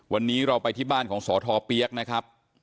วันนี้เราไปที่บ้านของสทเปี๊ยกนะครับ